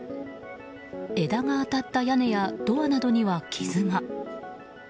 枝が当たった屋根やドアなどには傷が。